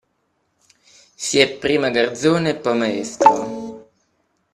Si è prima garzone e poi maestro.